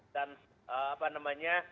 dan apa namanya